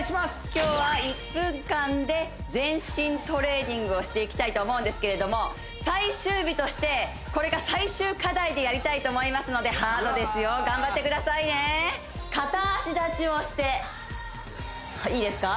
今日は１分間で全身トレーニングをしていきたいと思うんですけれども最終日としてこれが最終課題でやりたいと思いますのでハードですよ頑張ってくださいね片足立ちをしていいですか？